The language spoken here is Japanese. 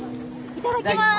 いただきます！